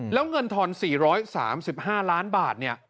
แล้วเงินทอน๔๓๕ล้านบาท